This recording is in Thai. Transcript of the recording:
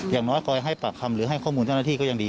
อย่างน้อยกอยให้ปากคำหรือให้ข้อมูลเจ้าหน้าที่ก็ยังดี